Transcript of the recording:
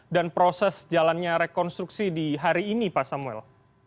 dan proses jalannya rekonstruksi di hari ini pak samuel